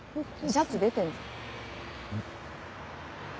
シャツ出てんぞ。